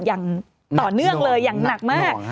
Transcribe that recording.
อย่างต่อเนื่องเลยอย่างหนักมาก